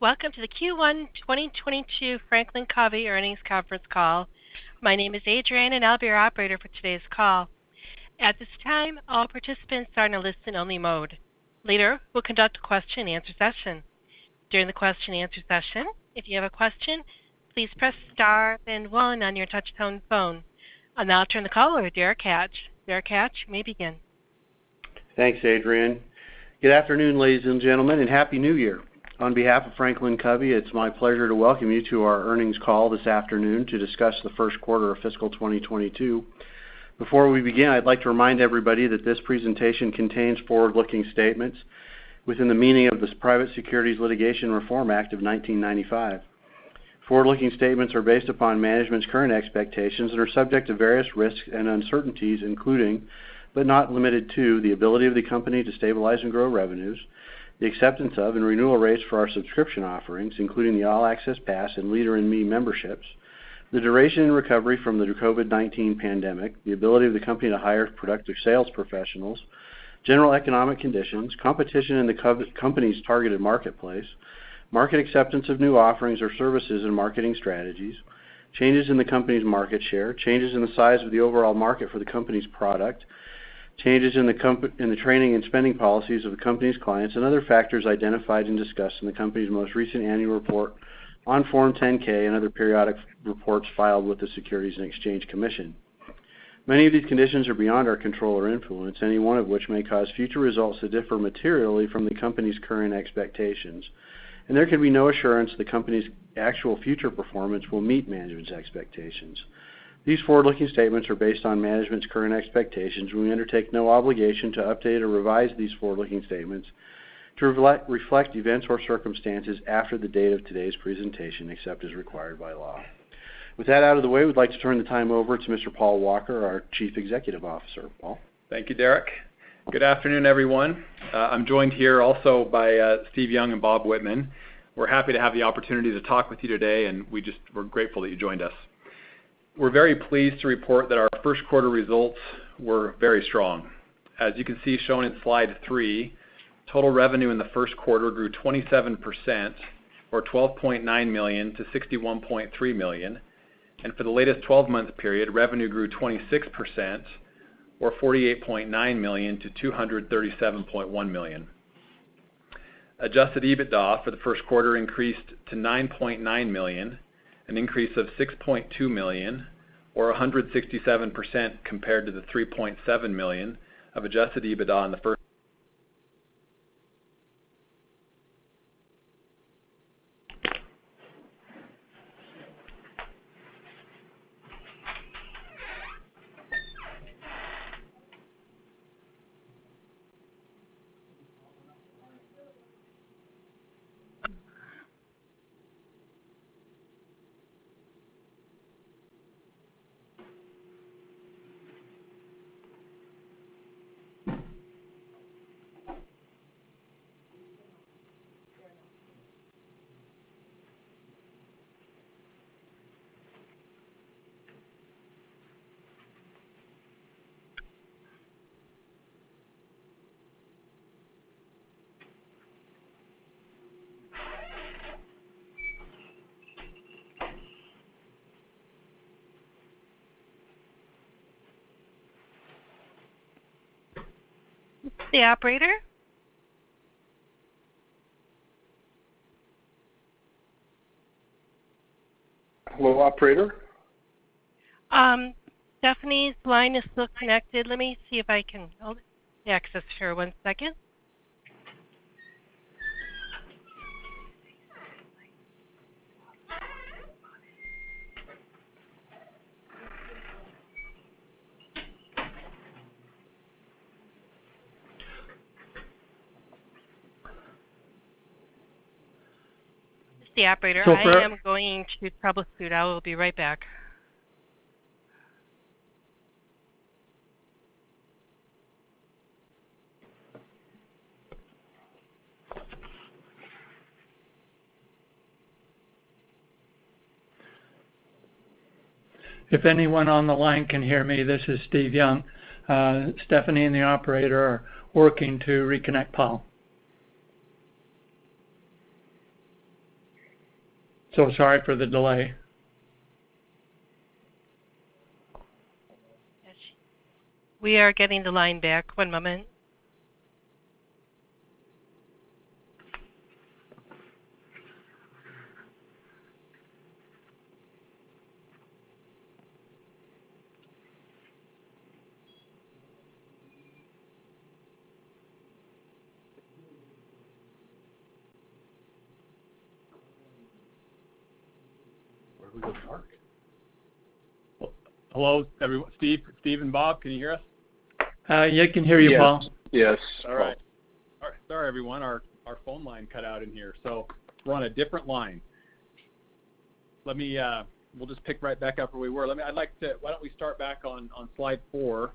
Welcome to the Q1 2022 Franklin Covey Earnings Conference Call. My name is Adrienne, and I'll be your operator for today's call. At this time, all participants are in a listen-only mode. Later, we'll conduct a question-and-answer session. During the question-and-answer session, if you have a question, please press star then one on your touchtone phone. I'll now turn the call over to Derek Hatch. Derek Hatch, you may begin. Thanks, Adrienne. Good afternoon, ladies and gentlemen, and happy New Year. On behalf of Franklin Covey, it's my pleasure to welcome you to our earnings call this afternoon to discuss the first quarter of fiscal 2022. Before we begin, I'd like to remind everybody that this presentation contains forward-looking statements within the meaning of the Private Securities Litigation Reform Act of 1995. Forward-looking statements are based upon management's current expectations and are subject to various risks and uncertainties, including, but not limited to, the ability of the company to stabilize and grow revenues, the acceptance of and renewal rates for our subscription offerings, including the All Access Pass and Leader in Me memberships, the duration and recovery from the COVID-19 pandemic, the ability of the company to hire productive sales professionals, general economic conditions, competition in the company's targeted marketplace, market acceptance of new offerings or services and marketing strategies, changes in the company's market share, changes in the size of the overall market for the company's product, changes in the training and spending policies of the company's clients and other factors identified and discussed in the company's most recent annual report on Form 10-K and other periodic reports filed with the Securities and Exchange Commission. Many of these conditions are beyond our control or influence, any one of which may cause future results to differ materially from the company's current expectations, and there can be no assurance the company's actual future performance will meet management's expectations. These forward-looking statements are based on management's current expectations, and we undertake no obligation to update or revise these forward-looking statements to reflect events or circumstances after the date of today's presentation, except as required by law. With that out of the way, we'd like to turn the time over to Mr. Paul Walker, our Chief Executive Officer. Paul. Thank you, Derek. Good afternoon, everyone. I'm joined here also by Stephen Young and Robert Whitman. We're happy to have the opportunity to talk with you today. We're grateful that you joined us. We're very pleased to report that our first quarter results were very strong. As you can see shown in slide three, total revenue in the first quarter grew 27% or $12.9 million-$61.3 million. For the latest 12-month period, revenue grew 26% or $48.9 million-$237.1 million. Adjusted EBITDA for the first quarter increased to $9.9 million, an increase of $6.2 million or 167% compared to the $3.7 million of adjusted EBITDA in the first. It's the operator. Hello, operator? Stephanie's line is still connected. Let me see if I can pull the access here. One second. This is the operator. I am going to troubleshoot. I will be right back. If anyone on the line can hear me, this is Stephen Young. Stephanie and the operator are working to reconnect Paul. Sorry for the delay. We are getting the line back. One moment. Where do we go to park? Hello, Stephen and Robert, can you hear us? Yeah, I can hear you, Paul. Yes. Yes, Paul. All right. Sorry, everyone. Our phone line cut out in here, so we're on a different line. We'll just pick right back up where we were. Why don't we start back on slide four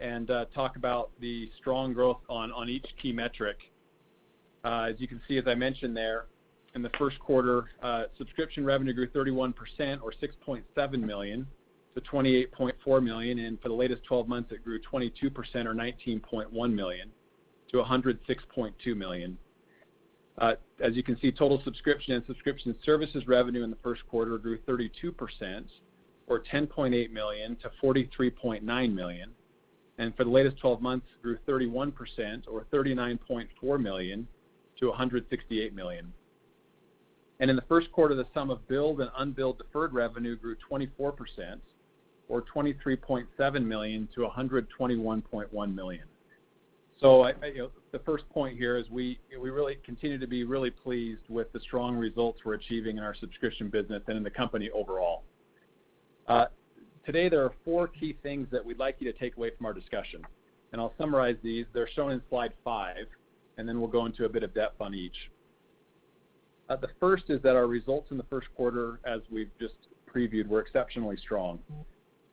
and talk about the strong growth on each key metric. As you can see, as I mentioned there, in the first quarter, subscription revenue grew 31% or $6.7 million-$28.4 million, and for the latest 12 months, it grew 22% or $19.1 million-$106.2 million. As you can see, total subscription and subscription services revenue in the first quarter grew 32% or $10.8 million-$43.9 million. For the latest 12 months, grew 31% or $39.4 million-$168 million. In the first quarter, the sum of billed and unbilled deferred revenue grew 24% or $23.7 million-$121.1 million. You know, the first point here is we really continue to be really pleased with the strong results we're achieving in our subscription business and in the company overall. Today, there are four key things that we'd like you to take away from our discussion, and I'll summarize these. They're shown in slide five, and then we'll go into a bit of depth on each. The first is that our results in the first quarter, as we've just previewed, were exceptionally strong.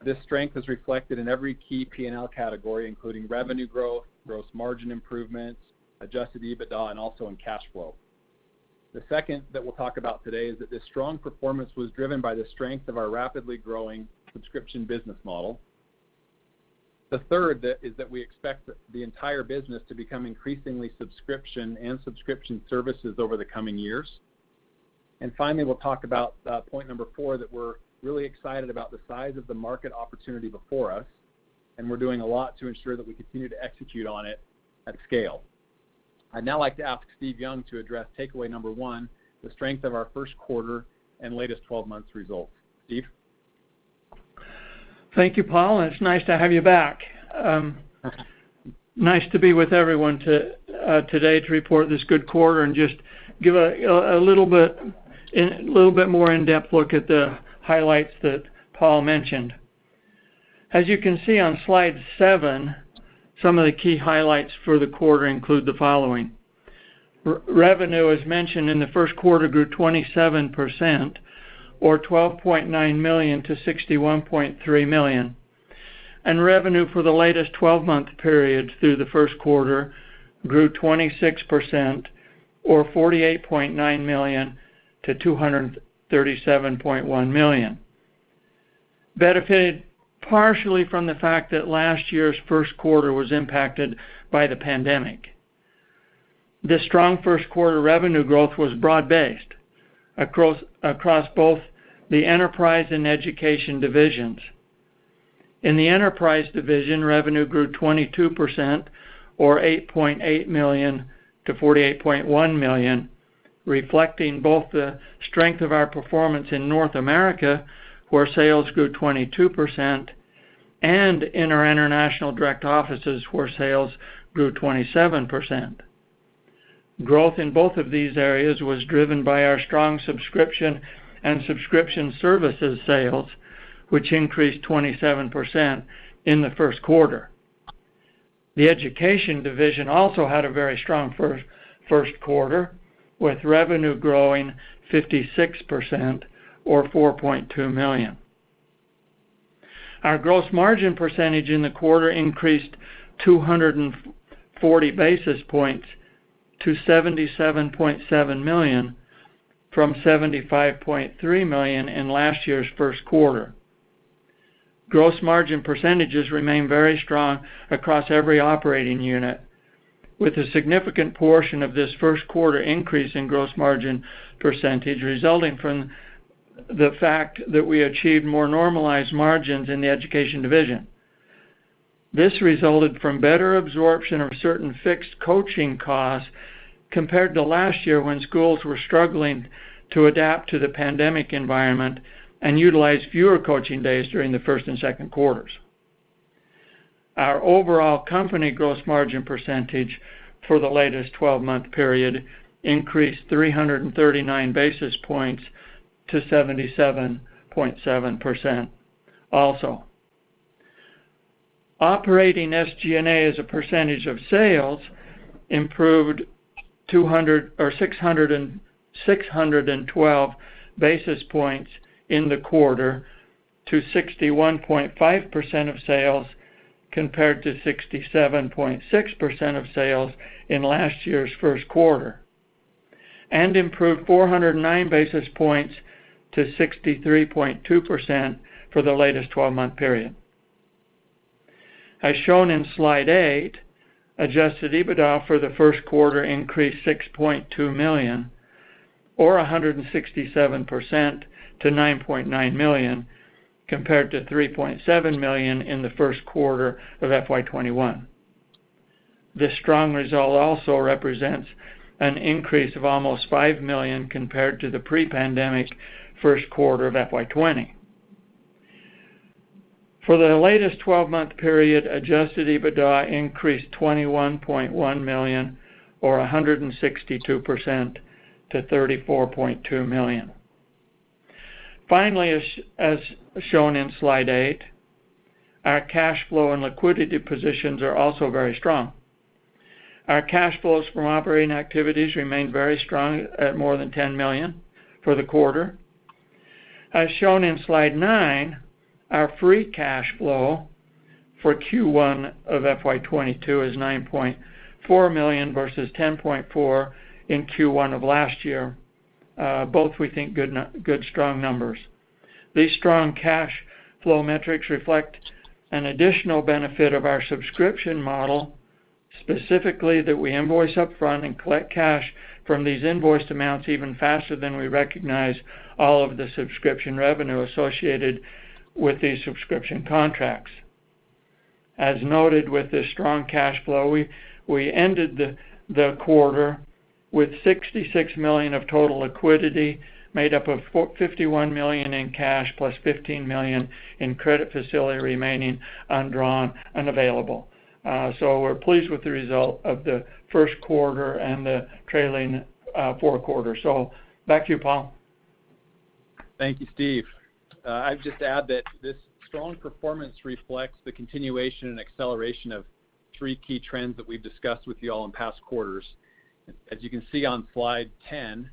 This strength is reflected in every key P&L category, including revenue growth, gross margin improvements, adjusted EBITDA, and also in cash flow. The second that we'll talk about today is that this strong performance was driven by the strength of our rapidly growing subscription business model. The third is that we expect the entire business to become increasingly subscription and subscription services over the coming years. Finally, we'll talk about point number four, that we're really excited about the size of the market opportunity before us, and we're doing a lot to ensure that we continue to execute on it at scale. I'd now like to ask Stephen Young to address takeaway number one, the strength of our first quarter and latest 12 months results. Stephen. Thank you, Paul, and it's nice to have you back. Nice to be with everyone today to report this good quarter and just give a, you know, a little bit more in-depth look at the highlights that Paul mentioned. As you can see on slide seven, some of the key highlights for the quarter include the following. Revenue, as mentioned, in the first quarter, grew 27% or $12.9 million-$61.3 million. Revenue for the latest 12-month period through the first quarter grew 26% or $48.9 million-$237.1 million, benefited partially from the fact that last year's first quarter was impacted by the pandemic. This strong first quarter revenue growth was broad-based across both the Enterprise and Education divisions. In the Enterprise Division, revenue grew 22% or $8.8 million-$48.1 million, reflecting both the strength of our performance in North America, where sales grew 22%, and in our International Direct offices, where sales grew 27%. Growth in both of these areas was driven by our strong subscription and subscription services sales, which increased 27% in the first quarter. The Education Division also had a very strong first quarter, with revenue growing 56% or $4.2 million. Our gross margin percentage in the quarter increased 240 basis points to $77.7 million from $75.3 million in last year's first quarter. Gross margin percentages remain very strong across every operating unit, with a significant portion of this first quarter increase in gross margin percentage resulting from the fact that we achieved more normalized margins in the Education Division. This resulted from better absorption of certain fixed coaching costs compared to last year when schools were struggling to adapt to the pandemic environment and utilize fewer coaching days during the first and second quarters. Our overall company gross margin percentage for the latest 12-month period increased 339 basis points to 77.7% also. Operating SG&A as a percentage of sales improved 612 basis points in the quarter to 61.5% of sales, compared to 67.6% of sales in last year's first quarter, and improved 409 basis points to 63.2% for the latest 12-month period. As shown in slide eight, Adjusted EBITDA for the first quarter increased $6.2 million or 167% to $9.9 million, compared to $3.7 million in the first quarter of FY 2021. This strong result also represents an increase of almost $5 million compared to the pre-pandemic first quarter of FY 2020. For the latest 12-month period, Adjusted EBITDA increased $21.1 million or 162% to $34.2 million. Finally, as shown in slide eight, our cash flow and liquidity positions are also very strong. Our cash flows from operating activities remained very strong at more than $10 million for the quarter. As shown in slide nine, our free cash flow for Q1 of FY 2022 is $9.4 million versus $10.4 million in Q1 of last year. Both we think good strong numbers. These strong cash flow metrics reflect an additional benefit of our subscription model, specifically that we invoice upfront and collect cash from these invoiced amounts even faster than we recognize all of the subscription revenue associated with these subscription contracts. As noted with this strong cash flow, we ended the quarter with $66 million of total liquidity made up of $51 million in cash plus $15 million in credit facility remaining undrawn and available. We're pleased with the result of the first quarter and the trailing four quarters. Back to you, Paul. Thank you, Stephen. I'd just add that this strong performance reflects the continuation and acceleration of three key trends that we've discussed with you all in past quarters. As you can see on slide 10,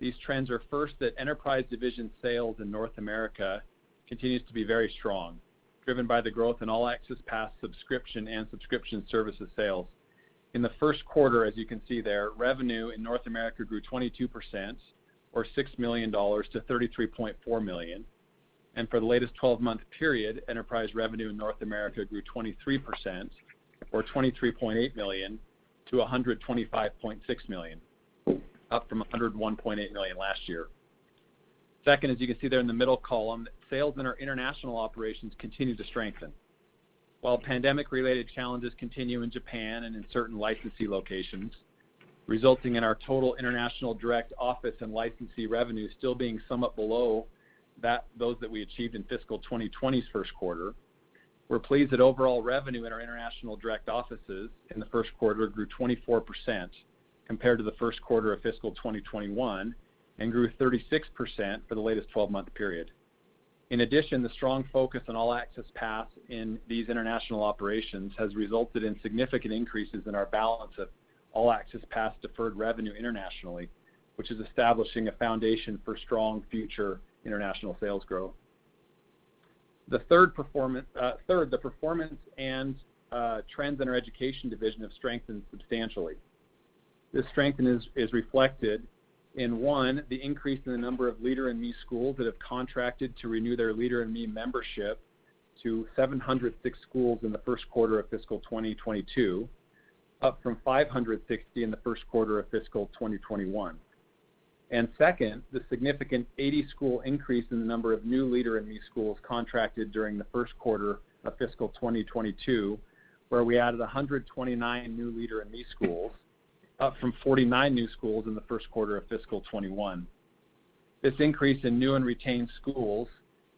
these trends are first that Enterprise Division sales in North America continues to be very strong, driven by the growth in All Access Pass subscription and subscription services sales. In the first quarter, as you can see there, revenue in North America grew 22% or $6 million- $33.4 million. For the latest 12-month period, enterprise revenue in North America grew 23% or $23.8 million- $125.6 million, up from $101.8 million last year. Second, as you can see there in the middle column, sales in our International Operations continue to strengthen. While pandemic-related challenges continue in Japan and in certain licensee locations, resulting in our total international direct office and licensee revenue still being somewhat below those that we achieved in fiscal 2020's first quarter, we're pleased that overall revenue in our international direct offices in the first quarter grew 24% compared to the first quarter of fiscal 2021, and grew 36% for the latest 12-month period. In addition, the strong focus on All Access Pass in these international operations has resulted in significant increases in our balance of All Access Pass deferred revenue internationally, which is establishing a foundation for strong future international sales growth. The performance and trends in our Education Division have strengthened substantially. This strengthening is reflected in one, the increase in the number of Leader in Me schools that have contracted to renew their Leader in Me membership to 706 schools in the first quarter of fiscal 2022, up from 560 in the first quarter of fiscal 2021. Second, the significant 80-school increase in the number of new Leader in Me schools contracted during the first quarter of fiscal 2022, where we added 129 new Leader in Me schools, up from 49 new schools in the first quarter of fiscal 2021. This increase in new and retained schools,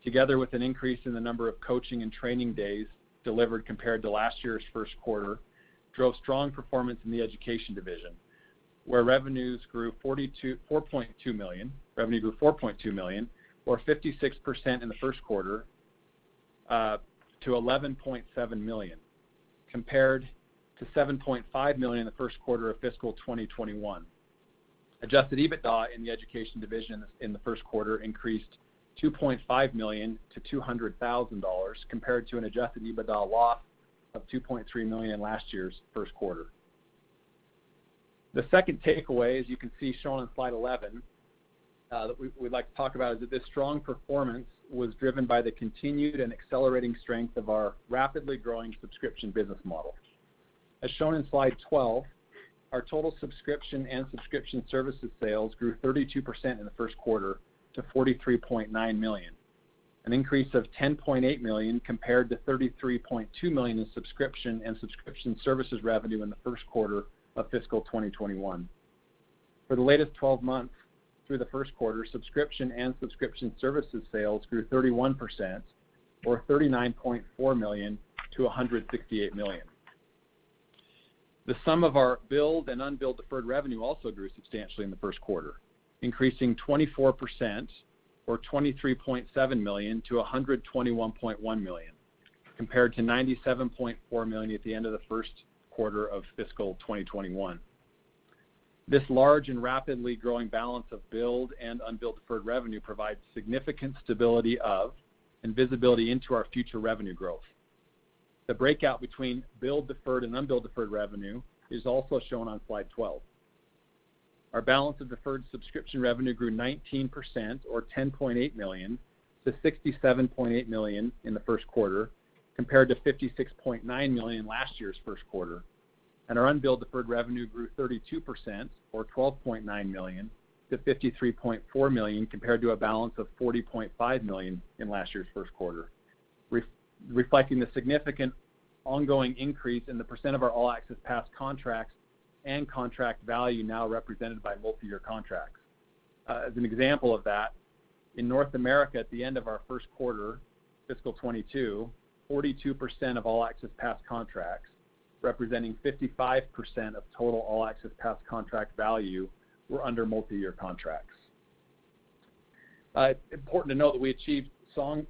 together with an increase in the number of coaching and training days delivered compared to last year's first quarter, drove strong performance in the Education Division, where revenues grew $4.2 million or 56% in the first quarter to $11.7 million, compared to $7.5 million in the first quarter of fiscal 2021. Adjusted EBITDA in the Education Division in the first quarter increased $2.5 million-$200,000, compared to an Adjusted EBITDA loss of $2.3 million in last year's first quarter. The second takeaway, as shown in slide 11, that we'd like to talk about is that this strong performance was driven by the continued and accelerating strength of our rapidly growing subscription business model. As shown in slide 12, our total subscription and subscription services sales grew 32% in the first quarter to $43.9 million, an increase of $10.8 million compared to $33.2 million in subscription and subscription services revenue in the first quarter of fiscal 2021. For the latest 12 months through the first quarter, subscription and subscription services sales grew 31% or $39.4 million-$168 million. The sum of our billed and unbilled deferred revenue also grew substantially in the first quarter, increasing 24% or $23.7 million-$121.1 million, compared to $97.4 million at the end of the first quarter of fiscal 2021. This large and rapidly growing balance of billed and unbilled deferred revenue provides significant stability of and visibility into our future revenue growth. The breakout between billed deferred and unbilled deferred revenue is also shown on slide 12. Our balance of deferred subscription revenue grew 19% or $10.8 million-$67.8 million in the first quarter, compared to $56.9 million last year's first quarter. Our unbilled deferred revenue grew 32% or $12.9 million-$53.4 million, compared to a balance of $40.5 million in last year's first quarter, reflecting the significant ongoing increase in the percent of our All Access Pass contracts and contract value now represented by multiyear contracts. As an example of that, in North America at the end of our first quarter fiscal 2022, 42% of All Access Pass contracts, representing 55% of total All Access Pass contract value, were under multiyear contracts. It's important to note that we achieved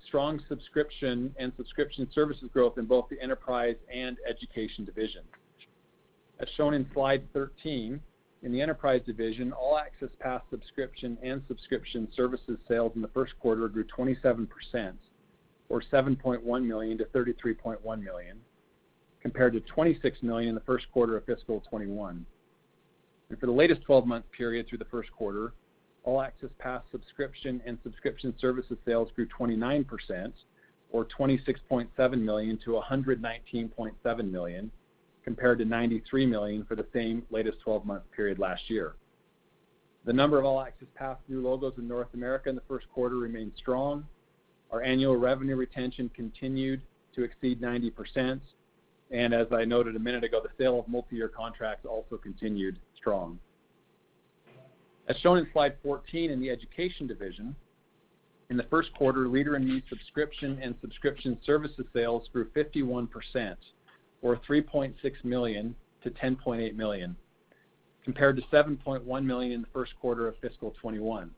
strong subscription and subscription services growth in both the Enterprise and Education Division. As shown in slide 13, in the Enterprise Division, All Access Pass subscription and subscription services sales in the first quarter grew 27%, or $7.1 million-$33.1 million, compared to $26 million in the first quarter of fiscal 2021. For the latest 12-month period through the first quarter, All Access Pass subscription and subscription services sales grew 29%, or $26.7 million-$119.7 million, compared to $93 million for the same latest 12-month period last year. The number of All Access Pass new logos in North America in the first quarter remained strong. Our annual revenue retention continued to exceed 90%. As I noted a minute ago, the sale of multi-year contracts also continued strong. As shown in slide 14 in the Education Division, in the first quarter, Leader in Me subscription and subscription services sales grew 51%, or $3.6 million-$10.8 million, compared to $7.1 million in the first quarter of FY 2021.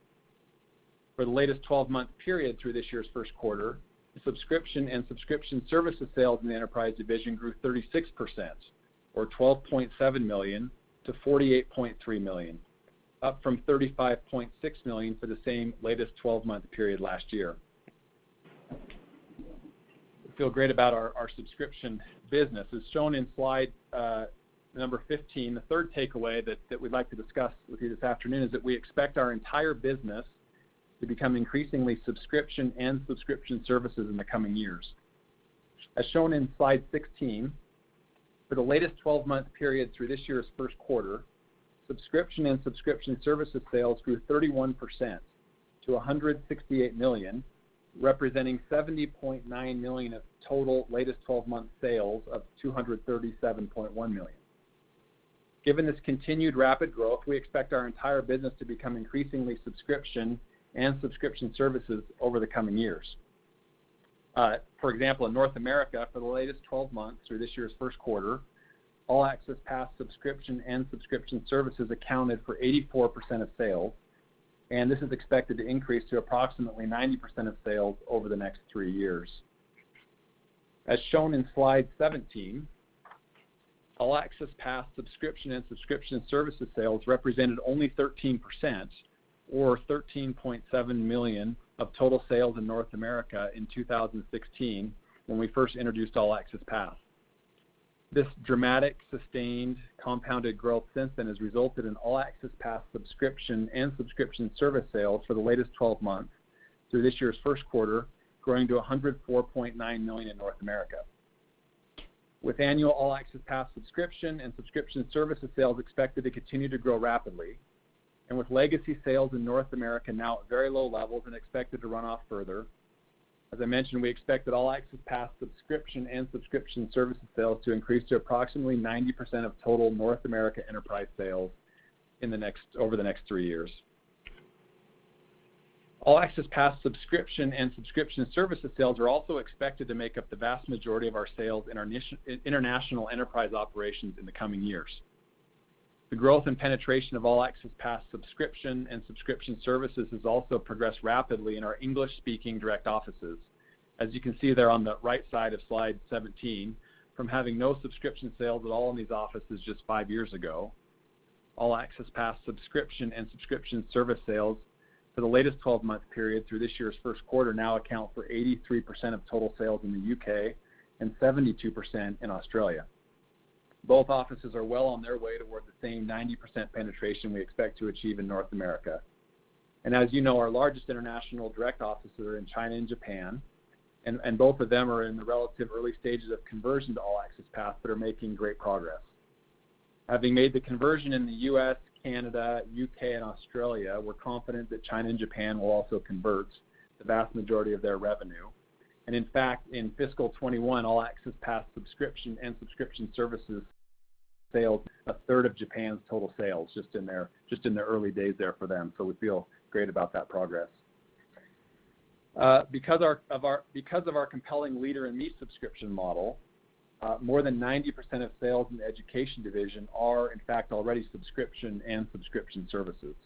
For the latest 12-month period through this year's first quarter, the subscription and subscription services sales in the Enterprise Division grew 36%, or $12.7 million-$48.3 million, up from $35.6 million for the same latest 12-month period last year. We feel great about our subscription business. As shown in slide number 15, the third takeaway that we'd like to discuss with you this afternoon is that we expect our entire business to become increasingly subscription and subscription services in the coming years. As shown in slide 16, for the latest 12-month period through this year's first quarter, subscription and subscription services sales grew 31% to $168 million, representing $70.9 million of total latest 12-month sales of $237.1 million. Given this continued rapid growth, we expect our entire business to become increasingly subscription and subscription services over the coming years. For example, in North America, for the latest 12 months through this year's first quarter, All Access Pass subscription and subscription services accounted for 84% of sales, and this is expected to increase to approximately 90% of sales over the next three years. As shown in slide 17, All Access Pass subscription and subscription services sales represented only 13%, or $13.7 million, of total sales in North America in 2016 when we first introduced All Access Pass. This dramatic, sustained, compounded growth since then has resulted in All Access Pass subscription and subscription service sales for the latest 12 months through this year's first quarter growing to $104.9 million in North America. With annual All Access Pass subscription and subscription services sales expected to continue to grow rapidly, and with legacy sales in North America now at very low levels and expected to run off further, as I mentioned, we expect that All Access Pass subscription and subscription services sales to increase to approximately 90% of total North America enterprise sales over the next three years. All Access Pass subscription and subscription services sales are also expected to make up the vast majority of our sales in our international enterprise operations in the coming years. The growth and penetration of All Access Pass subscription and subscription services has also progressed rapidly in our English-speaking direct offices. As you can see there on the right side of slide 17, from having no subscription sales at all in these offices just five years ago, All Access Pass subscription and subscription service sales for the latest 12-month period through this year's first quarter now account for 83% of total sales in the U.K. and 72% in Australia. Both offices are well on their way toward the same 90% penetration we expect to achieve in North America. As you know, our largest international direct offices are in China and Japan, and both of them are in the relative early stages of conversion to All Access Pass but are making great progress. Having made the conversion in the U.S., Canada, U.K., and Australia, we're confident that China and Japan will also convert the vast majority of their revenue. In fact, in FY 2021, All Access Pass subscription and subscription services sales a third of Japan's total sales just in their early days there for them. We feel great about that progress. Because of our compelling Leader in Me subscription model, more than 90% of sales in the Education Division are, in fact, already subscription and subscription services.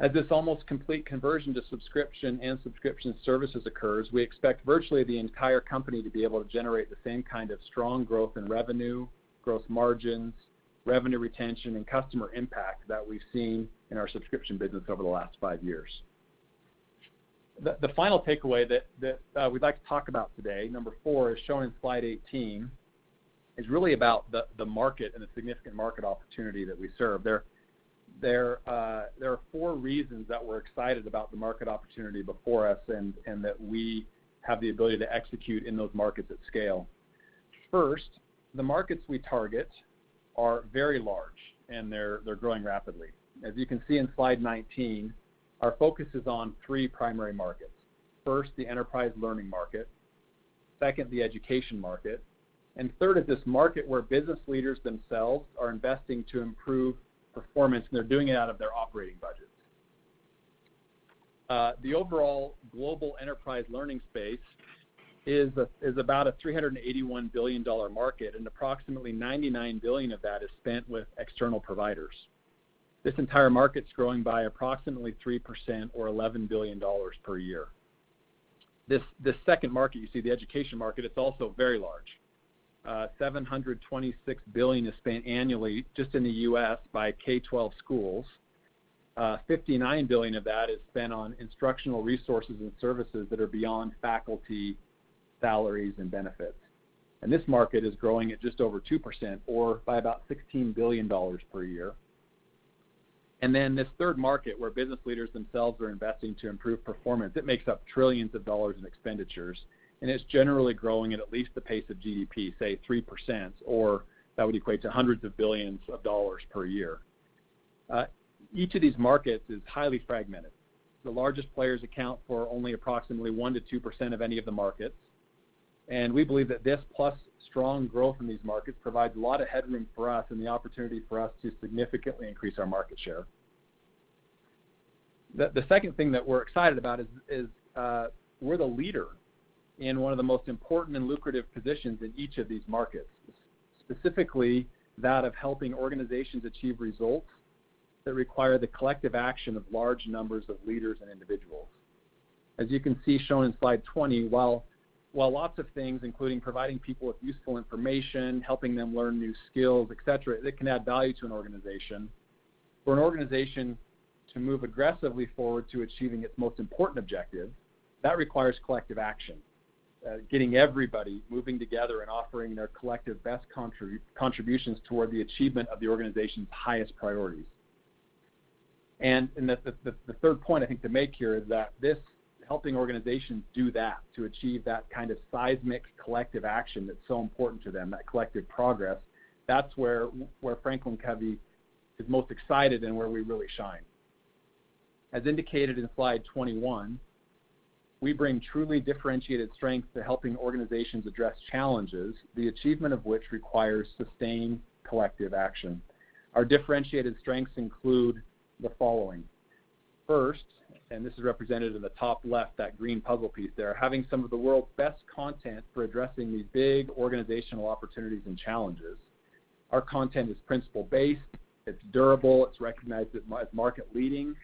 As this almost complete conversion to subscription and subscription services occurs, we expect virtually the entire company to be able to generate the same kind of strong growth in revenue, growth margins, revenue retention, and customer impact that we've seen in our subscription business over the last five years. The final takeaway that we'd like to talk about today, number four, as shown in slide 18, is really about the market and the significant market opportunity that we serve. There are four reasons that we're excited about the market opportunity before us and that we have the ability to execute in those markets at scale. First, the markets we target are very large, and they're growing rapidly. As you can see in slide 19, our focus is on three primary markets. First, the enterprise learning market. Second, the education market. Third is this market where business leaders themselves are investing to improve performance, and they're doing it out of their operating budgets. The overall global enterprise learning space is about a $381 billion market, and approximately $99 billion of that is spent with external providers. This entire market is growing by approximately 3% or $11 billion per year. This second market you see, the education market, it's also very large. $726 billion is spent annually just in the U.S. by K-12 schools. $59 billion of that is spent on instructional resources and services that are beyond faculty salaries and benefits. This market is growing at just over 2% or by about $16 billion per year. This third market, where business leaders themselves are investing to improve performance, it makes up trillions of dollars in expenditures, and it's generally growing at least the pace of GDP, say 3%, or that would equate to hundreds of billions of dollars per year. Each of these markets is highly fragmented. The largest players account for only approximately 1%-2% of any of the markets. We believe that this plus strong growth in these markets provides a lot of headroom for us and the opportunity for us to significantly increase our market share. The second thing that we're excited about is we're the leader in one of the most important and lucrative positions in each of these markets, specifically that of helping organizations achieve results that require the collective action of large numbers of leaders and individuals. As you can see, shown in slide 20, while lots of things, including providing people with useful information, helping them learn new skills, etc., that can add value to an organization. For an organization to move aggressively forward to achieving its most important objective, that requires collective action, getting everybody moving together and offering their collective best contributions toward the achievement of the organization's highest priorities. The third point I think to make here is that this helping organizations do that, to achieve that kind of seismic collective action that's so important to them, that collective progress, that's where Franklin Covey is most excited and where we really shine. As indicated in slide 21, we bring truly differentiated strength to helping organizations address challenges, the achievement of which requires sustained collective action. Our differentiated strengths include the following. First, and this is represented in the top left, that green puzzle piece there, having some of the world's best content for addressing these big organizational opportunities and challenges. Our content is principle-based, it's durable, it's recognized as market-leading.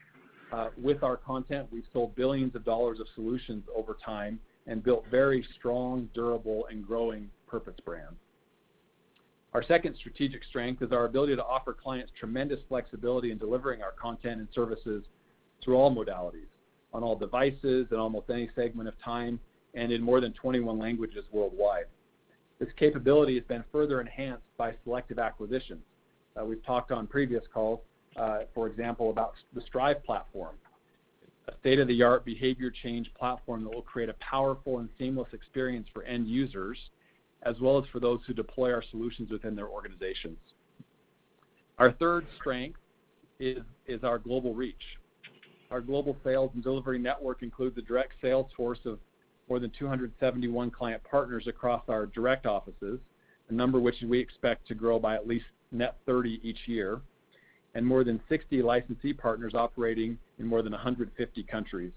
With our content, we've sold billions of dollars of solutions over time and built very strong, durable, and growing purpose brand. Our second strategic strength is our ability to offer clients tremendous flexibility in delivering our content and services through all modalities, on all devices, in almost any segment of time, and in more than 21 languages worldwide. This capability has been further enhanced by selective acquisitions. We've talked on previous calls, for example, about the Strive platform, a state-of-the-art behavior change platform that will create a powerful and seamless experience for end users, as well as for those who deploy our solutions within their organizations. Our third strength is our global reach. Our global sales and delivery network includes a direct sales force of more than 271 client partners across our direct offices, a number which we expect to grow by at least net 30 each year, and more than 60 licensee partners operating in more than 150 countries,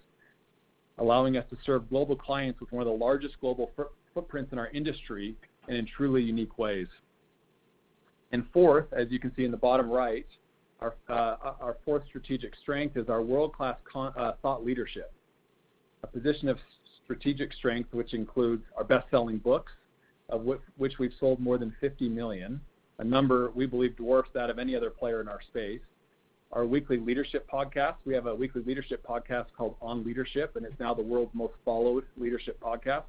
allowing us to serve global clients with one of the largest global footprints in our industry and in truly unique ways. Fourth, as you can see in the bottom right, our fourth strategic strength is our world-class thought leadership, a position of strategic strength which includes our best-selling books, of which we've sold more than 50 million, a number we believe dwarfs that of any other player in our space. We have a weekly leadership podcast called On Leadership, and it's now the world's most followed leadership podcast.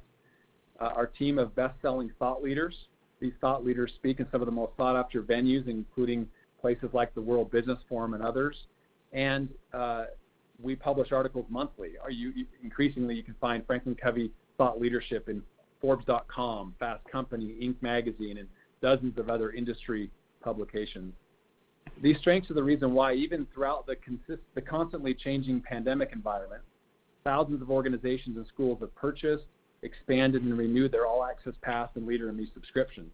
Our team of best-selling thought leaders, these thought leaders speak in some of the most sought-after venues, including places like the World Business Forum and others. We publish articles monthly. Increasingly, you can find Franklin Covey thought leadership in Forbes.com, Fast Company, Inc. Magazine, and dozens of other industry publications. These strengths are the reason why even throughout the constantly changing pandemic environment, thousands of organizations and schools have purchased, expanded, and renewed their All Access Pass and Leader in Me subscriptions,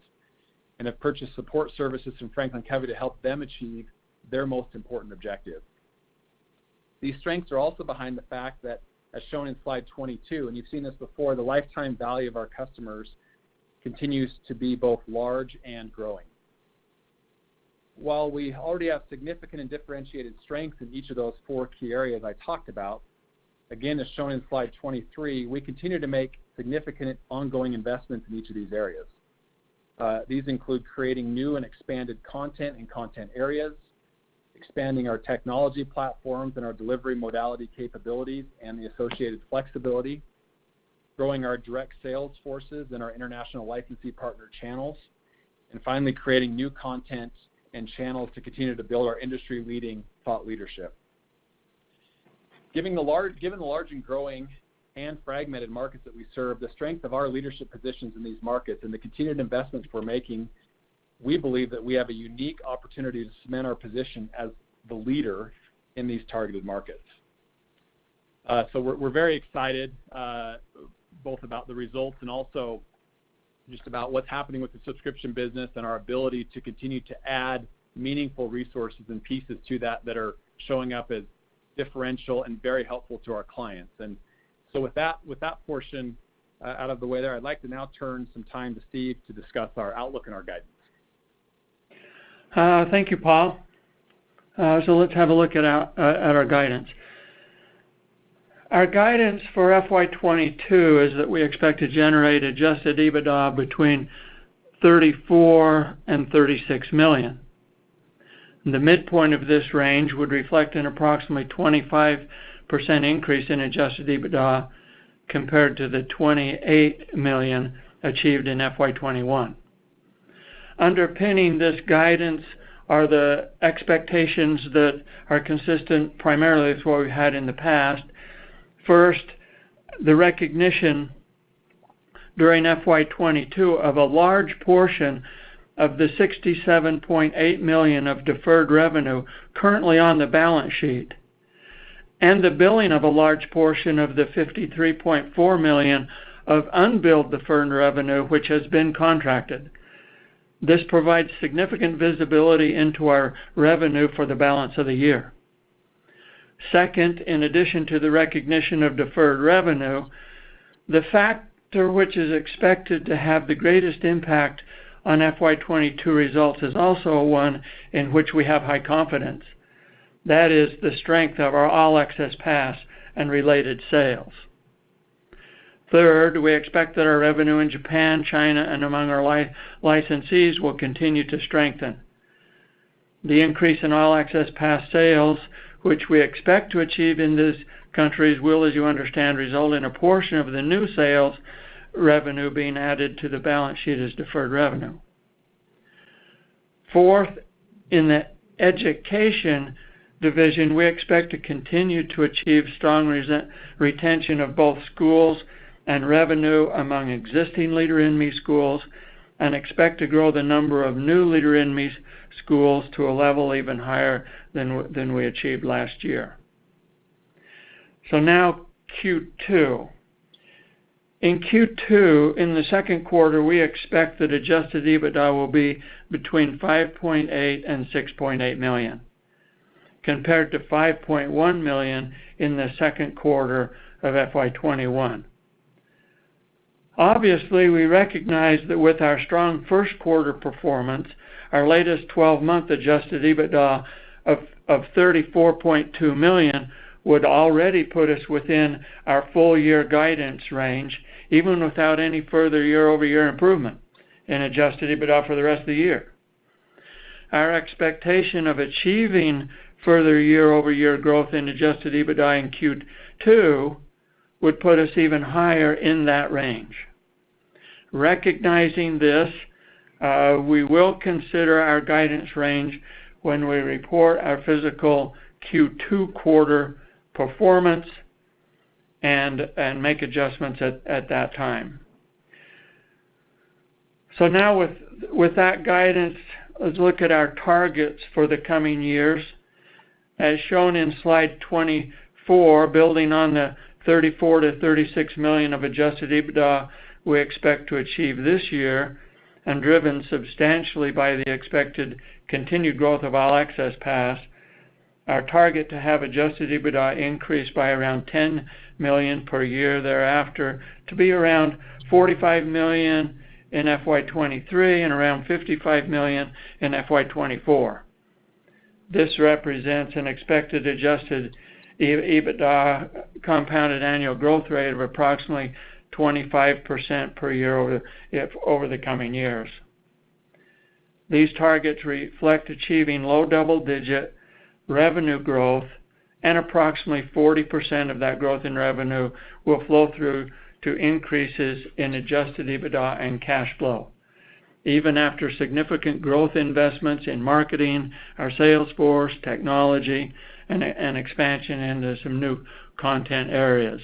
and have purchased support services from Franklin Covey to help them achieve their most important objective. These strengths are also behind the fact that, as shown in slide 22, and you've seen this before, the lifetime value of our customers continues to be both large and growing. While we already have significant and differentiated strengths in each of those four key areas I talked about, again, as shown in slide 23, we continue to make significant ongoing investments in each of these areas. These include creating new and expanded content and content areas, expanding our technology platforms and our delivery modality capabilities and the associated flexibility, growing our direct sales forces and our international licensee partner channels, and finally, creating new content and channels to continue to build our industry-leading thought leadership. Given the large and growing and fragmented markets that we serve, the strength of our leadership positions in these markets and the continued investments we're making, we believe that we have a unique opportunity to cement our position as the leader in these targeted markets. We're very excited both about the results and also just about what's happening with the subscription business and our ability to continue to add meaningful resources and pieces to that that are showing up as differential and very helpful to our clients. With that portion out of the way there, I'd like to now turn some time to Stephen to discuss our outlook and our guidance. Thank you, Paul. Let's have a look at our guidance. Our guidance for FY 2022 is that we expect to generate Adjusted EBITDA between $34 million and $36 million. The midpoint of this range would reflect an approximately 25% increase in Adjusted EBITDA compared to the $28 million achieved in FY 2021. Underpinning this guidance are the expectations that are consistent primarily with what we had in the past. First, the recognition during FY 2022 of a large portion of the $67.8 million of deferred revenue currently on the balance sheet, and the billing of a large portion of the $53.4 million of unbilled deferred revenue which has been contracted. This provides significant visibility into our revenue for the balance of the year. Second, in addition to the recognition of deferred revenue, the factor which is expected to have the greatest impact on FY 2022 results is also one in which we have high confidence. That is the strength of our All Access Pass and related sales. Third, we expect that our revenue in Japan, China and among our licensees will continue to strengthen. The increase in All Access Pass sales, which we expect to achieve in these countries will, as you understand, result in a portion of the new sales revenue being added to the balance sheet as deferred revenue. Fourth, in the Education Division, we expect to continue to achieve strong retention of both schools and revenue among existing Leader in Me schools and expect to grow the number of new Leader in Me schools to a level even higher than we achieved last year. Now Q2. In Q2, in the second quarter, we expect that Adjusted EBITDA will be between $5.8 million-$6.8 million, compared to $5.1 million in the second quarter of FY 2021. Obviously, we recognize that with our strong first quarter performance, our latest 12-month Adjusted EBITDA of $34.2 million would already put us within our full year guidance range, even without any further year-over-year improvement in Adjusted EBITDA for the rest of the year. Our expectation of achieving further year-over-year growth in Adjusted EBITDA in Q2 would put us even higher in that range. Recognizing this, we will consider our guidance range when we report our fiscal Q2 quarter performance and make adjustments at that time. Now with that guidance, let's look at our targets for the coming years. As shown in slide 24, building on the $34 million-$36 million of Adjusted EBITDA we expect to achieve this year, and driven substantially by the expected continued growth of All Access Pass, our target to have Adjusted EBITDA increase by around $10 million per year thereafter to be around $45 million in FY 2023 and around $55 million in FY 2024. This represents an expected Adjusted EBITDA compounded annual growth rate of approximately 25% per year over the coming years. These targets reflect achieving low double-digit revenue growth and approximately 40% of that growth in revenue will flow through to increases in Adjusted EBITDA and cash flow, even after significant growth investments in marketing, our sales force, technology and expansion into some new content areas.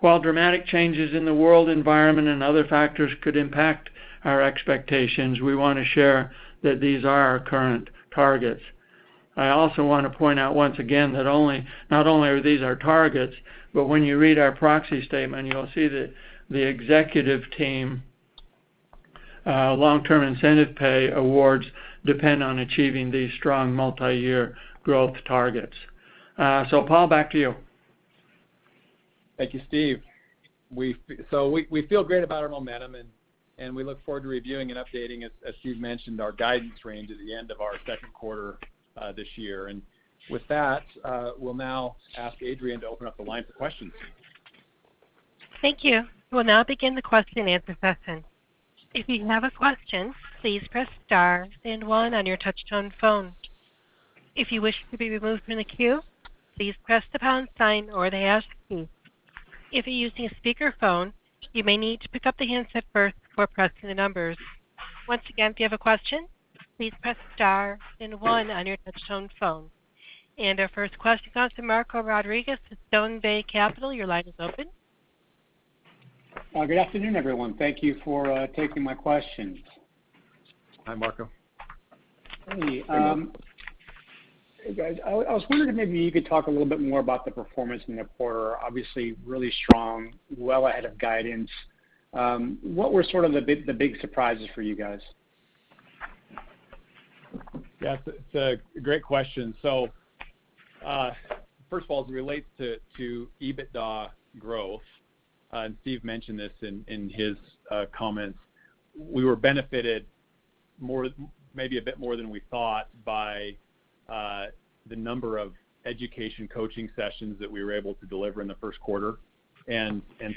While dramatic changes in the world environment and other factors could impact our expectations, we wanna share that these are our current targets. I also wanna point out once again that not only are these our targets, but when you read our proxy statement, you'll see that the executive team long-term incentive pay awards depend on achieving these strong multi-year growth targets. Paul, back to you. Thank you, Stephen. We feel great about our momentum and we look forward to reviewing and updating, as Stephen mentioned, our guidance range at the end of our second quarter this year. With that, we'll now ask Adrienne to open up the line for questions. Thank you. We'll now begin the question and answer session. If you have a question, please press star then one on your touch-tone phone. If you wish to be removed from the queue, please press the pound sign or the hash key. If you're using a speakerphone, you may need to pick up the handset first before pressing the numbers. Once again, if you have a question, please press star then one on your touch-tone phone. Our first question comes from Marco Rodriguez with Stonegate Capital Markets. Your line is open. Good afternoon, everyone. Thank you for taking my questions. Hi, Marco. Hey, guys. I was wondering if maybe you could talk a little bit more about the performance in the quarter. Obviously, really strong, well ahead of guidance. What were sort of the big surprises for you guys? Yes, it's a great question. First of all, as it relates to EBITDA growth, and Stephen mentioned this in his comments, we were benefited more, maybe a bit more than we thought by the number of education coaching sessions that we were able to deliver in the first quarter.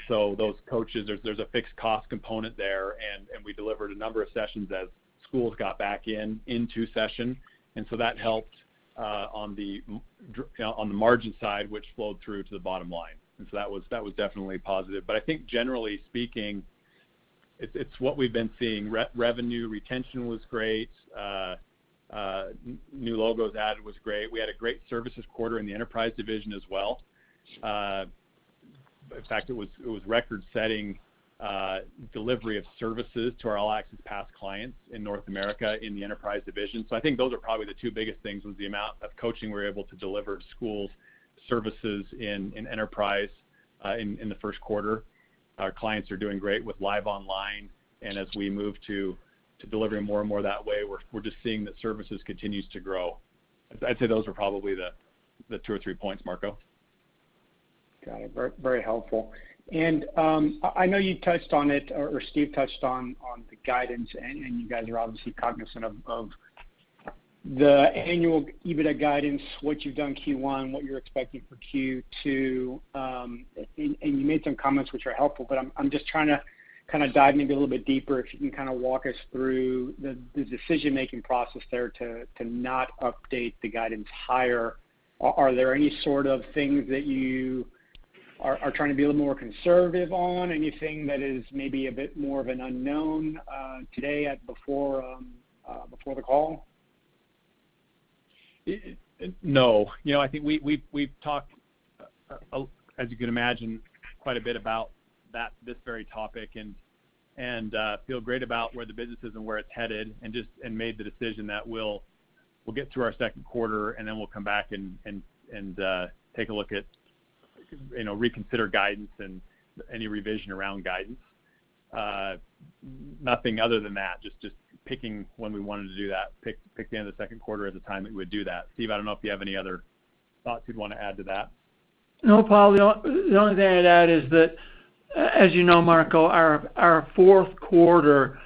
Those coaches, there's a fixed cost component there, and we delivered a number of sessions as schools got back into session. That helped on the margin side, which flowed through to the bottom line. That was definitely positive. I think generally speaking, it's what we've been seeing. Revenue retention was great. New logos added was great. We had a great services quarter in the Enterprise Division as well. In fact, it was record-setting delivery of services to our All Access Pass clients in North America in the Enterprise Division. I think those are probably the two biggest things, was the amount of coaching we were able to deliver to schools, services in enterprise in the first quarter. Our clients are doing great with live online. As we move to delivering more and more that way, we're just seeing that services continues to grow. I'd say those are probably the two or three points, Marco. Got it. Very, very helpful. I know you touched on it or Stephen touched on the guidance, and you guys are obviously cognizant of the annual EBITDA guidance, what you've done in Q1, what you're expecting for Q2. You made some comments which are helpful, but I'm just trying to kind of dive maybe a little bit deeper, if you can kind of walk us through the decision-making process there to not update the guidance higher. Are there any sort of things that you are trying to be a little more conservative on? Anything that is maybe a bit more of an unknown today before the call? No. You know, I think we've talked, as you can imagine, quite a bit about this very topic and feel great about where the business is and where it's headed, and made the decision that we'll get through our second quarter, and then we'll come back and take a look at, you know, reconsider guidance and any revision around guidance. Nothing other than that, just picking when we wanted to do that. Pick the end of the second quarter as the time it would do that. Stephen, I don't know if you have any other thoughts you'd want to add to that. No, Paul. The only thing I'd add is that, as you know, Marco, our fourth quarter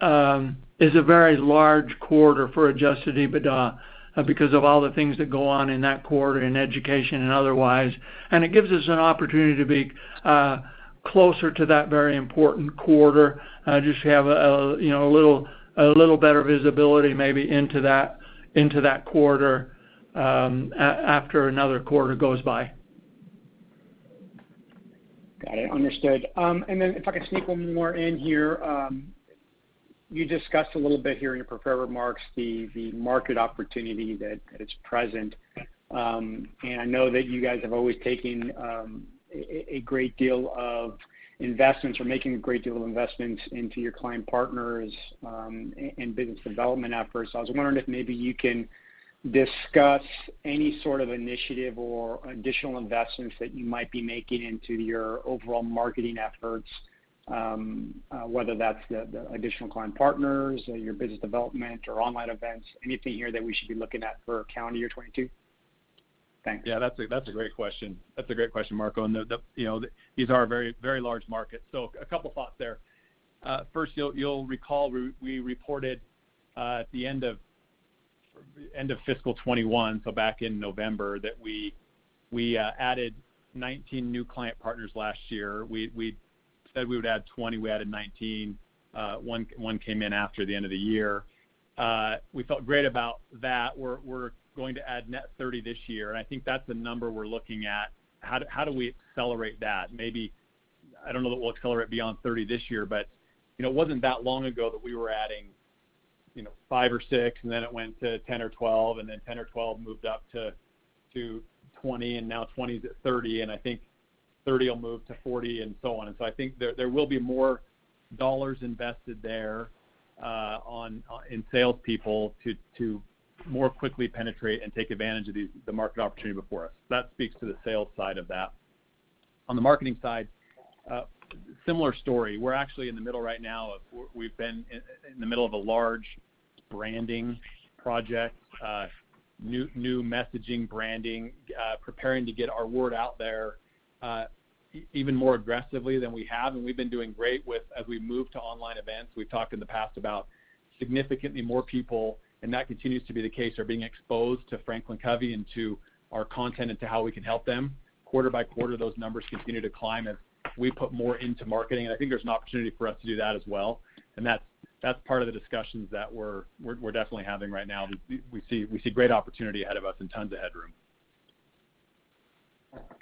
is a very large quarter for Adjusted EBITDA because of all the things that go on in that quarter in education and otherwise. It gives us an opportunity to be closer to that very important quarter just to have, you know, a little better visibility maybe into that quarter after another quarter goes by. Got it. Understood. If I can sneak one more in here. You discussed a little bit here in your prepared remarks the market opportunity that is present. I know that you guys have always taken making a great deal of investments into your client partners in business development efforts. I was wondering if maybe you can discuss any sort of initiative or additional investments that you might be making into your overall marketing efforts, whether that's the additional client partners or your business development or online events, anything here that we should be looking at for calendar year 2022? Thanks. Yeah, that's a great question, Marco. These are very large markets. A couple thoughts there. First you'll recall we reported at the end of fiscal 2021, so back in November, that we added 19 new client partners last year. We said we would add 20, we added 19. One came in after the end of the year. We felt great about that. We're going to add net 30 this year, and I think that's the number we're looking at. How do we accelerate that? Maybe, I don't know that we'll accelerate beyond 30 this year, but, you know, it wasn't that long ago that we were adding, you know, five or six, and then it went to 10 or 12, and then 10 or 12 moved up to 20, and now 20 to 30, and I think 30 will move to 40 and so on. I think there will be more dollars invested there in salespeople to more quickly penetrate and take advantage of the market opportunity before us. That speaks to the sales side of that. On the marketing side, similar story. We're actually in the middle right now. We've been in the middle of a large branding project, new messaging branding, preparing to get our word out there, even more aggressively than we have. We've been doing great with as we move to online events. We've talked in the past about significantly more people, and that continues to be the case, are being exposed to Franklin Covey and to our content into how we can help them. Quarter by quarter, those numbers continue to climb as we put more into marketing. I think there's an opportunity for us to do that as well. That's part of the discussions that we're definitely having right now. We see great opportunity ahead of us and tons of headroom.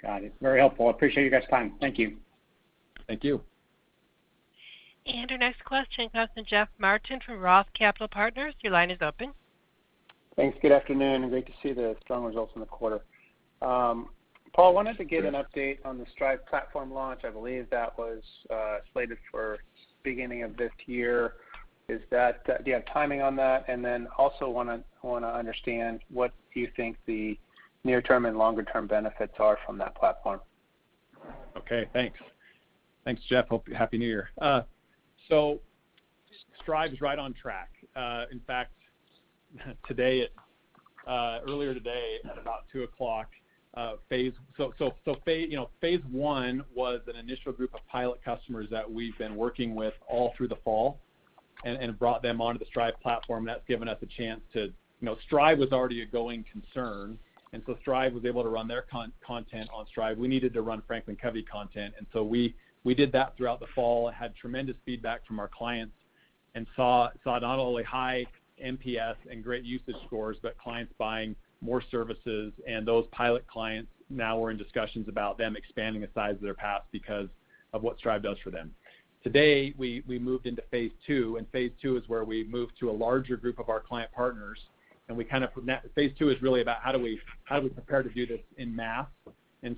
Got it. Very helpful. I appreciate you guys' time. Thank you. Thank you. Our next question comes from Jeff Martin from ROTH Capital Partners. Your line is open. Thanks. Good afternoon, and great to see the strong results in the quarter. Paul, I wanted to get an update on the Strive platform launch. I believe that was slated for beginning of this year. Do you have timing on that? I wanna understand what you think the near-term and longer-term benefits are from that platform. Okay, thanks. Thanks, Jeff. Happy New Year. Strive is right on track. In fact, earlier today at about 2:00, phase I was an initial group of pilot customers that we've been working with all through the fall and brought them onto the Strive platform, and that's given us a chance to. You know, Strive was already a going concern, and so Strive was able to run their content on Strive. We needed to run Franklin Covey content, and so we did that throughout the fall and had tremendous feedback from our clients and saw not only high NPS and great usage scores, but clients buying more services. Those pilot clients now we're in discussions about them expanding the size of their paths because of what Strive does for them. Today, we moved into phase II, and phase II is where we moved to a larger group of our client partners. phase II is really about how do we prepare to do this en masse.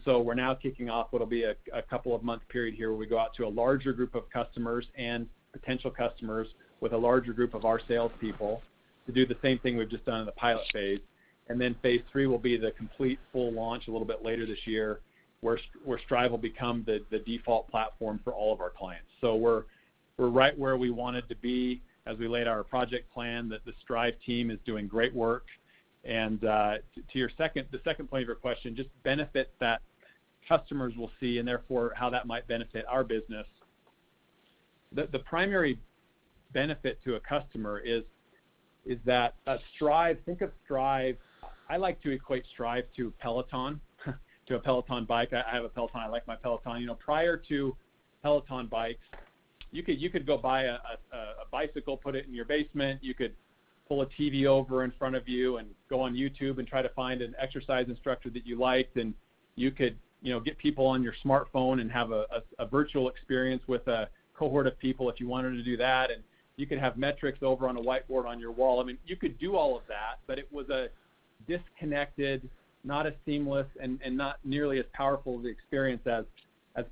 We're now kicking off what'll be a couple of month period here where we go out to a larger group of customers and potential customers with a larger group of our salespeople to do the same thing we've just done in the pilot phase. phase III will be the complete full launch a little bit later this year, where Strive will become the default platform for all of our clients. We're right where we wanted to be as we laid our project plan, that the Strive team is doing great work. To your second point of your question, just benefits that customers will see, and therefore how that might benefit our business. The primary benefit to a customer is that Strive. Think of Strive. I like to equate Strive to Peloton, to a Peloton bike. I have a Peloton. I like my Peloton. You know, prior to Peloton bikes, you could go buy a bicycle, put it in your basement. You could pull a TV over in front of you and go on YouTube and try to find an exercise instructor that you liked, and you could, you know, get people on your smartphone and have a virtual experience with a cohort of people if you wanted to do that, and you could have metrics over on a whiteboard on your wall. I mean, you could do all of that, but it was a disconnected, not as seamless, and not nearly as powerful of the experience as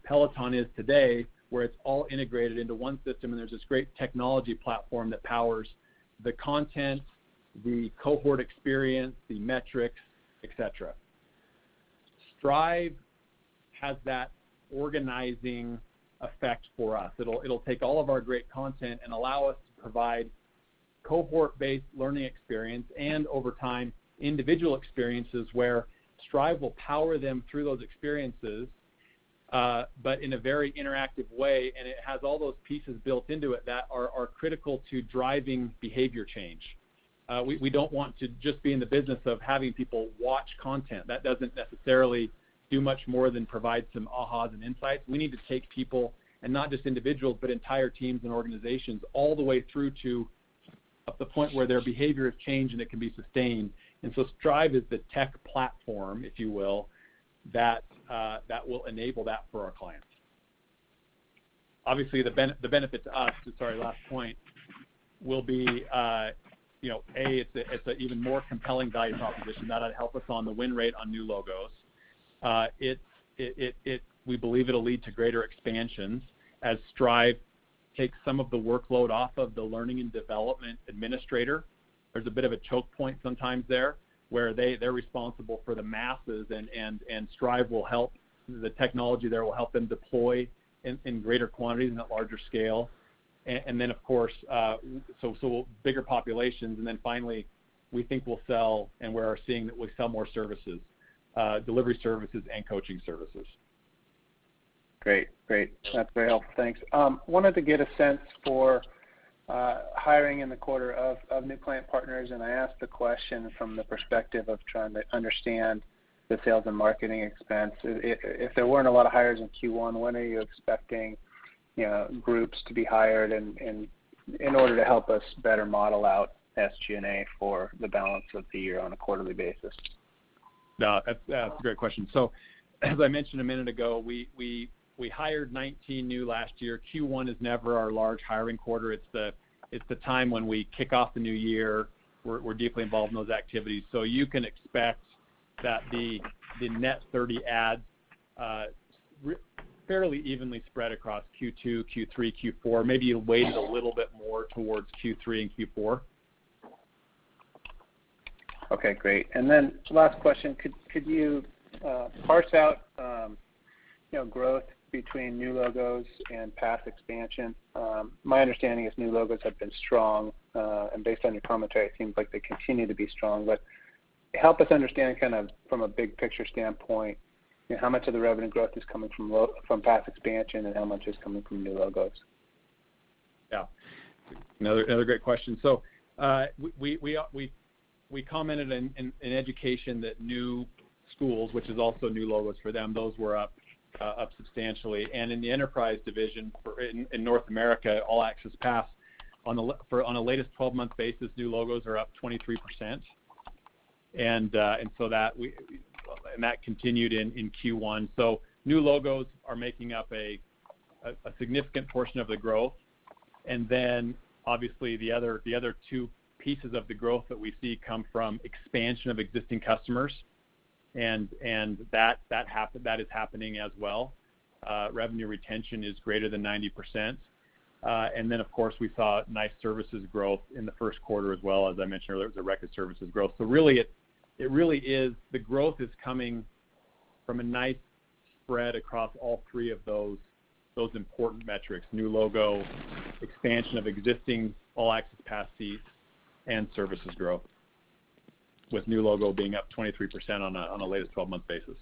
Peloton is today, where it's all integrated into one system, and there's this great technology platform that powers the content, the cohort experience, the metrics, etc., Strive has that organizing effect for us. It'll take all of our great content and allow us to provide cohort-based learning experience and over time, individual experiences where Strive will power them through those experiences, but in a very interactive way, and it has all those pieces built into it that are critical to driving behavior change. We don't want to just be in the business of having people watch content. That doesn't necessarily do much more than provide some ahas and insights. We need to take people, and not just individuals, but entire teams and organizations, all the way through to the point where their behavior has changed and it can be sustained. Strive is the tech platform, if you will, that will enable that for our clients. Obviously, the benefit to us, sorry, last point, will be, you know, A, it's a even more compelling value proposition. That'll help us on the win rate on new logos. We believe it'll lead to greater expansions as Strive takes some of the workload off of the learning and development administrator. There's a bit of a choke point sometimes there, where they're responsible for the masses and Strive will help. The technology there will help them deploy in greater quantities and at larger scale. Of course, so will bigger populations. Finally, we think we'll sell, and we are seeing that we sell more services, delivery services and coaching services. Great. That's very helpful. Thanks. I wanted to get a sense for hiring in the quarter of new client partners, and I ask the question from the perspective of trying to understand the sales and marketing expense. If there weren't a lot of hires in Q1, when are you expecting, you know, groups to be hired and in order to help us better model out SG&A for the balance of the year on a quarterly basis? No, that's a great question. As I mentioned a minute ago, we hired 19 new last year. Q1 is never our large hiring quarter. It's the time when we kick off the new year. We're deeply involved in those activities. You can expect that the net 30 adds fairly evenly spread across Q2, Q3, Q4, maybe weighted a little bit more towards Q3 and Q4. Okay, great. Last question. Could you parse out, you know, growth between new logos and path expansion? My understanding is new logos have been strong, and based on your commentary, it seems like they continue to be strong. Help us understand kind of from a big picture standpoint, you know, how much of the revenue growth is coming from path expansion and how much is coming from new logos? Yeah. Another great question. We commented in education that new schools, which is also new logos for them, those were up substantially. In the Enterprise Division in North America, All Access Passes on a latest 12-month basis, new logos are up 23%. That continued in Q1. New logos are making up a significant portion of the growth. Obviously the other two pieces of the growth that we see come from expansion of existing customers, and that is happening as well. Revenue retention is greater than 90%. Of course, we saw nice services growth in the first quarter as well. As I mentioned earlier, it was a record services growth. Really, it really is the growth is coming from a nice spread across all three of those important metrics, new logo, expansion of existing All Access Pass seats, and services growth, with new logo being up 23% on a latest 12-month basis.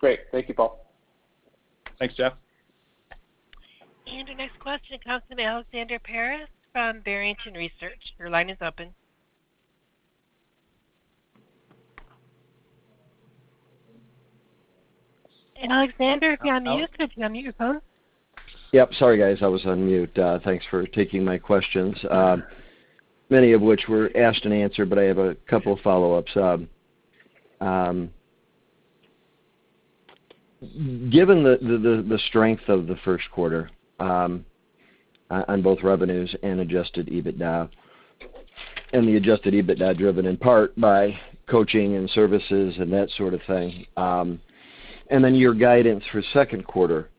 Great. Thank you, Paul. Thanks, Jeff. Our next question comes from Alexander Paris from Barrington Research. Your line is open. Alexander, if you unmute, could you unmute your phone? Yep, sorry guys, I was on mute. Thanks for taking my questions, many of which were asked and answered, but I have a couple of follow-ups. Given the strength of the first quarter on both revenues and Adjusted EBITDA, and the Adjusted EBITDA driven in part by coaching and services and that sort of thing, and then your guidance for second quarter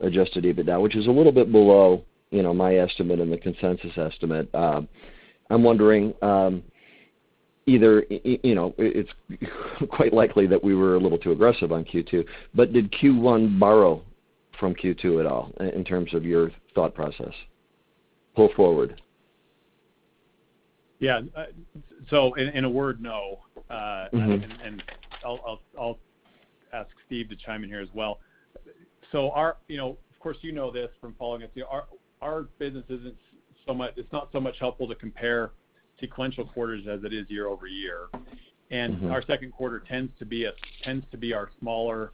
Adjusted EBITDA, which is a little bit below, you know, my estimate and the consensus estimate, I'm wondering, either you know, it's quite likely that we were a little too aggressive on Q2, but did Q1 borrow from Q2 at all in terms of your thought process going forward? Yeah. In a word, no. Mm-hmm I'll ask Stephen to chime in here as well. Our. You know, of course you know this from following us. Our business isn't so much, it's not so much helpful to compare sequential quarters as it is year over year. Mm-hmm. Our second quarter tends to be our smaller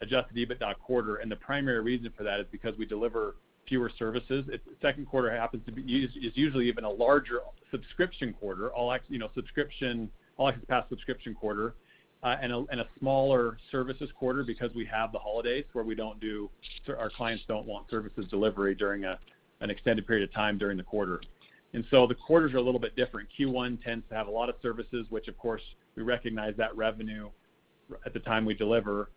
Adjusted EBITDA quarter. The primary reason for that is because we deliver fewer services. Second quarter is usually even a larger subscription quarter. All Access, you know, subscription, All Access Pass subscription quarter, and a smaller services quarter because we have the holidays where our clients don't want services delivery during an extended period of time during the quarter. The quarters are a little bit different. Q1 tends to have a lot of services, which of course, we recognize that revenue at the time we deliver,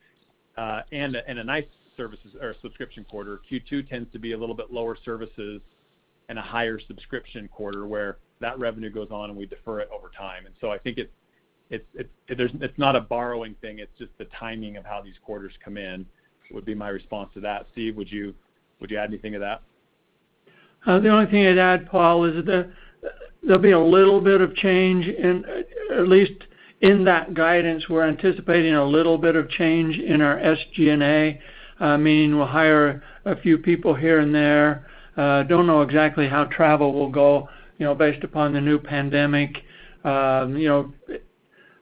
and a nice services or subscription quarter. Q2 tends to be a little bit lower services and a higher subscription quarter where that revenue goes on, and we defer it over time. I think it's not a borrowing thing, it's just the timing of how these quarters come in. That would be my response to that. Stephen, would you add anything to that? The only thing I'd add, Paul, is that there'll be a little bit of change in, at least in that guidance, we're anticipating a little bit of change in our SG&A, meaning we'll hire a few people here and there. Don't know exactly how travel will go, you know, based upon the new pandemic. You know,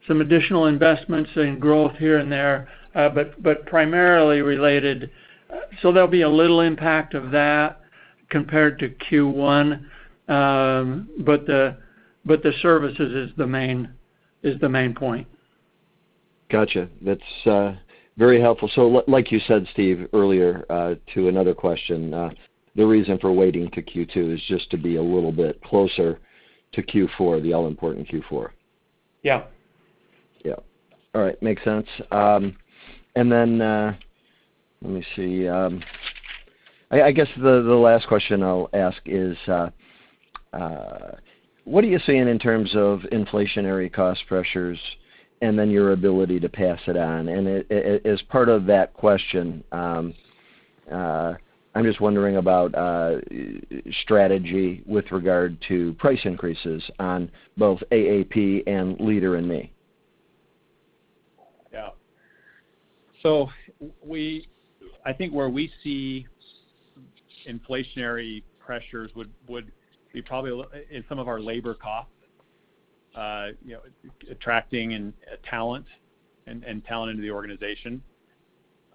some additional investments in growth here and there, but primarily related. There'll be a little impact of that compared to Q1. The services is the main point. Gotcha. That's very helpful. Like you said, Stephen, earlier, to another question, the reason for waiting to Q2 is just to be a little bit closer to Q4, the all-important Q4. Yeah. Yeah. All right. Makes sense. Let me see. I guess the last question I'll ask is, what are you seeing in terms of inflationary cost pressures and then your ability to pass it on? As part of that question, I'm just wondering about strategy with regard to price increases on both AAP and Leader in Me. I think where we see inflationary pressures would be probably in some of our labor costs, you know, attracting and retaining talent in the organization.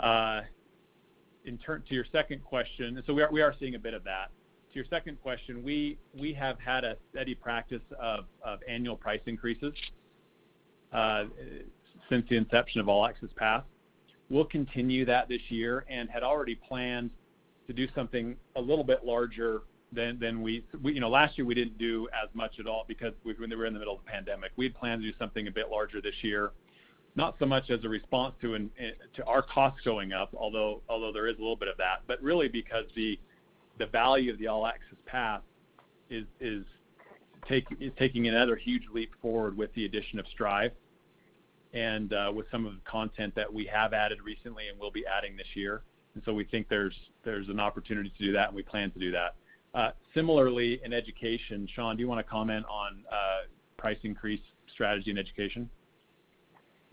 To your second question, we are seeing a bit of that. To your second question, we have had a steady practice of annual price increases since the inception of All Access Pass. We'll continue that this year and had already planned to do something a little bit larger than we. You know, last year we didn't do as much at all because we were in the middle of the pandemic. We had planned to do something a bit larger this year, not so much as a response to our costs going up, although there is a little bit of that, but really because the value of the All Access Pass is taking another huge leap forward with the addition of Strive and with some of the content that we have added recently and will be adding this year. We think there's an opportunity to do that, and we plan to do that. Similarly in education, Sean, do you wanna comment on price increase strategy in education?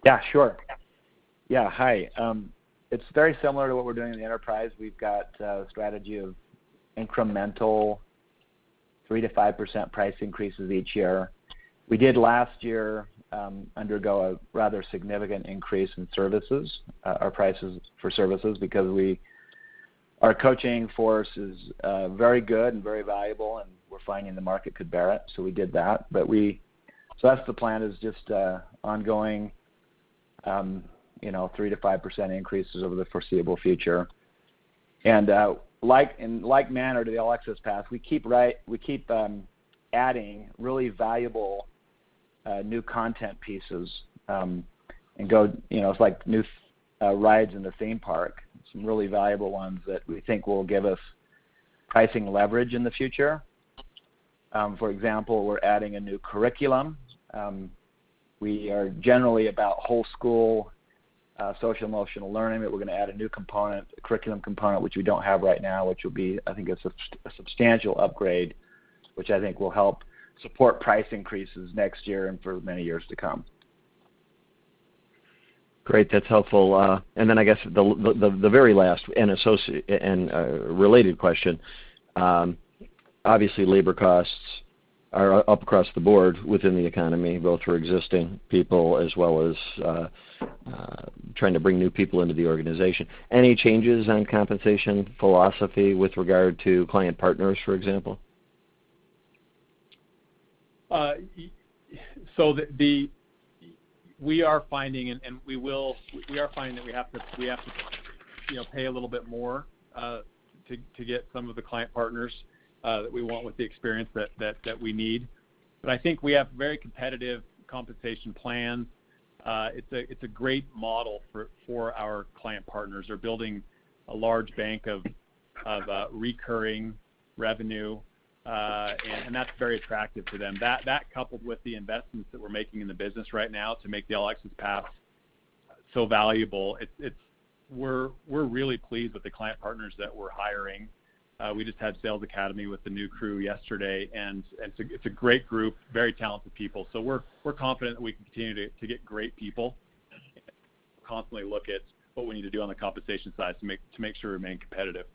Yeah, sure. Yeah. Hi. It's very similar to what we're doing in the enterprise. We've got a strategy of incremental 3%-5% price increases each year. We did last year undergo a rather significant increase in services, our prices for services because our coaching force is very good and very valuable, and we're finding the market could bear it, so we did that. That's the plan, is just ongoing, you know, 3%-5% increases over the foreseeable future. In like manner to the All Access Pass, we keep adding really valuable New content pieces, and go, you know, it's like new rides in the theme park, some really valuable ones that we think will give us pricing leverage in the future. For example, we're adding a new curriculum. We are generally about whole school social emotional learning, but we're gonna add a new component, a curriculum component which we don't have right now, which will be, I think, a substantial upgrade, which I think will help support price increases next year and for many years to come. Great. That's helpful. Then I guess the very last and associated and related question. Obviously, labor costs are up across the board within the economy, both for existing people as well as trying to bring new people into the organization. Any changes on compensation philosophy with regard to client partners, for example? We are finding that we have to, you know, pay a little bit more to get some of the client partners that we want with the experience that we need. I think we have very competitive compensation plans. It's a great model for our client partners. They're building a large bank of recurring revenue, and that's very attractive to them. That coupled with the investments that we're making in the business right now to make the All Access Pass so valuable. We're really pleased with the client partners that we're hiring. We just had sales academy with the new crew yesterday, and it's a great group, very talented people. We're confident that we can continue to get great people. We constantly look at what we need to do on the compensation side to make sure we remain competitive.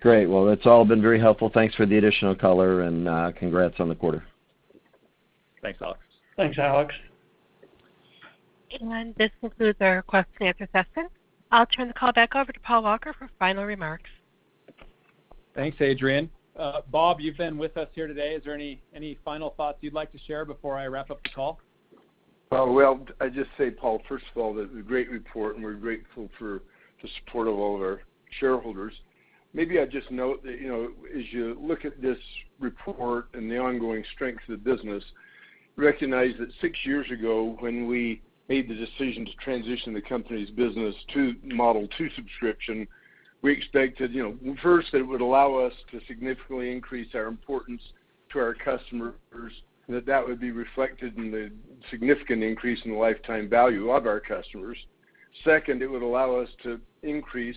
Great. Well, it's all been very helpful. Thanks for the additional color, and congrats on the quarter. Thanks, Alex. Thanks, Alex. This concludes our question and answer session. I'll turn the call back over to Paul Walker for final remarks. Thanks, Adrienne. Robert, you've been with us here today. Is there any final thoughts you'd like to share before I wrap up the call? Well, I'd just say, Paul, first of all, that it's a great report, and we're grateful for the support of all of our shareholders. Maybe I'd just note that, you know, as you look at this report and the ongoing strength of the business, recognize that six years ago, when we made the decision to transition the company's business to Model 2 subscription, we expected, you know, first, it would allow us to significantly increase our importance to our customers, that that would be reflected in the significant increase in the lifetime value of our customers. Second, it would allow us to increase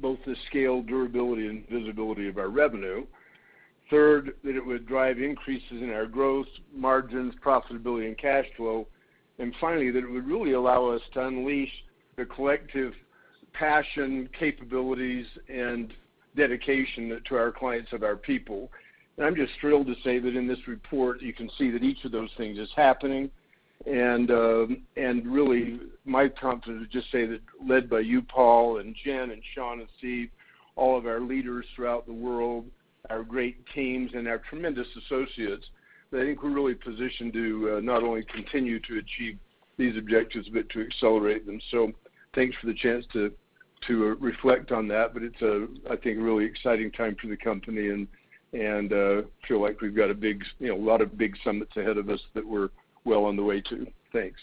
both the scale, durability, and visibility of our revenue. Third, that it would drive increases in our growth, margins, profitability, and cash flow. Finally, that it would really allow us to unleash the collective passion, capabilities, and dedication to our clients of our people. I'm just thrilled to say that in this report, you can see that each of those things is happening. Really my prompt is to just say that led by you, Paul, and Jen and Sean and Stephen, all of our leaders throughout the world, our great teams, and our tremendous associates, that I think we're really positioned to not only continue to achieve these objectives but to accelerate them. Thanks for the chance to reflect on that. It's, I think, a really exciting time for the company and feel like we've got a big, you know, a lot of big summits ahead of us that we're well on the way to. Thanks.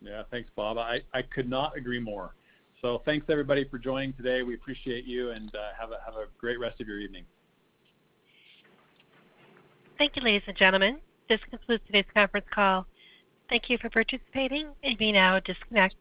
Yeah. Thanks, Robert. I could not agree more. Thanks, everybody, for joining today. We appreciate you, and have a great rest of your evening. Thank you, ladies and gentlemen. This concludes today's conference call. Thank you for participating. You may now disconnect.